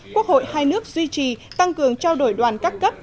quốc hội hai nước duy trì tăng cường trao đổi đoàn các cấp